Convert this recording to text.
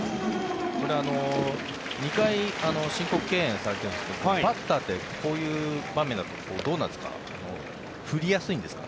２回申告敬遠されてるんですけどバッターってこういう場面だとどうなんですか。